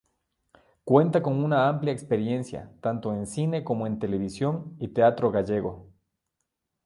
Cuenta con una amplia experiencia tanto en cine como en televisión y teatro gallego.